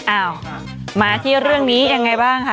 อ้าวมาที่เรื่องนี้ยังไงบ้างค่ะ